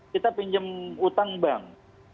kita pinjam utang bank